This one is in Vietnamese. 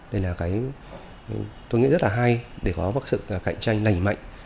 đây là cái tôi nghĩ rất là hay để có sự cạnh tranh lành mạnh